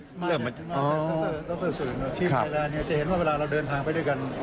รัฐบาลสุลินว่าทีมไทยแลนด์เนี่ยจะเห็นว่าเวลาเราเดินทางไปด้วยกัน